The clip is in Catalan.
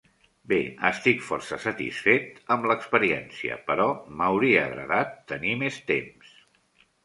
Bé, estic força satisfet amb l'experiència, però m'hauria agradat tenir més temps.